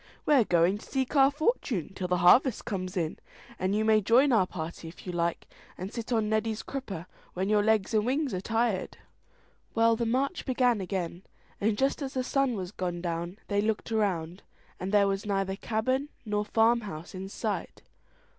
"We're going to seek our fortune till the harvest comes in; you may join our party if you like, and sit on Neddy's crupper when your legs and wings are tired." Well, the march began again, and just as the sun was gone down they looked around, and there was neither cabin nor farm house in sight.